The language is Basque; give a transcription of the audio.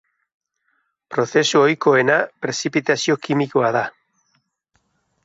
Prozesu ohikoena prezipitazio kimikoa da.